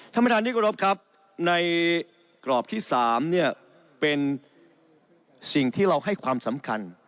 ท่านประธานที่กรบครับในกรอบที่๓เนี่ยเป็นสิ่งที่เราให้ความสำคัญ